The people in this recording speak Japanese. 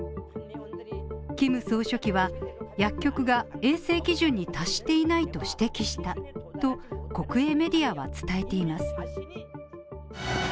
キム総書記は薬局が衛生基準に達していないと指摘したと国営メディアは伝えています。